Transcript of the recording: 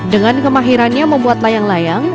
dengan kemahirannya membuat layang layang